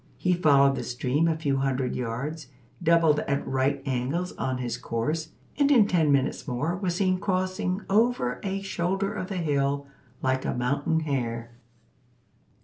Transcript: He followed the stream a few hundred yards, doubled at right angles on his course, and in ten minutes more was seen crossing over a shoulder of the hill, like a mountain hare.